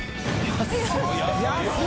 安い！